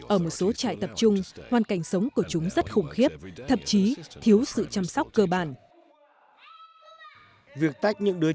ở một số trại tập trung hoàn cảnh sống của chúng rất khủng khiếp thậm chí thiếu sự chăm sóc cơ bản